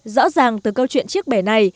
rõ ràng từ câu chuyện chiếc bể này